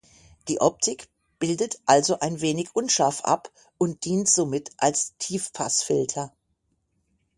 Die Optik bildet also ein wenig unscharf ab und dient somit als Tiefpassfilter.